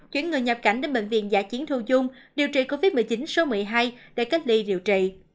chuyển người nhập cảnh đến bệnh viện giả chiến thu dung điều trị covid một mươi chín số một mươi hai để cách ly điều trị